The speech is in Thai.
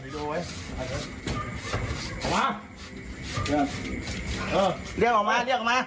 เรียกออกมาเรียกออกมา